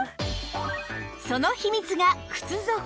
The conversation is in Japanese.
その秘密が靴底